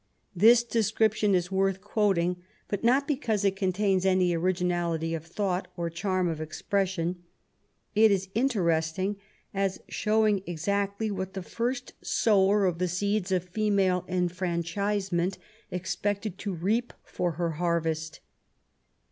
This description is worth quoting ; but not because it con* tains any originality of thought or charm of expression. It is interesting as showing exactly what the first sower of the seeds of female enfranchisement expected to reap for her harvest.